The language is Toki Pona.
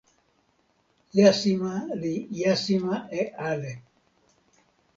jasima li jasima e ale.